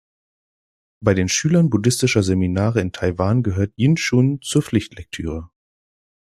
Bei den Schülern buddhistischer Seminare in Taiwan gehört Yin Shun zur Pflichtlektüre.